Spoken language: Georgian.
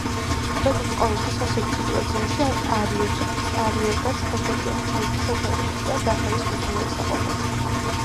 როგორც ყოველთვის ასეთ სიტუაციაში არიერგარდს ბაგრატიონი ჩაუდგა სათავეში უკან დახევის უზრუნველსაყოფად.